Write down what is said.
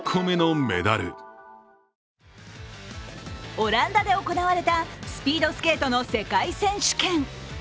オランダで行われたスピードスケートの世界選手権。